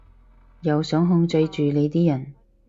又想控制住你啲人